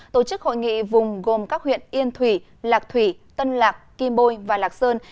tổ chức hội nghị vùng gồm các huyện yên thủy lạc thủy tân lạc kim bôi và lạc sơn